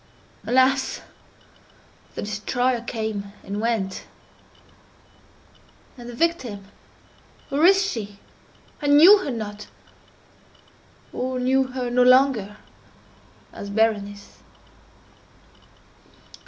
Alas! the destroyer came and went!—and the victim—where is she? I knew her not—or knew her no longer as Berenice.